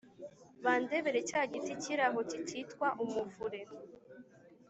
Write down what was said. Bandebere cya giti kiri aho kikitwa umuvure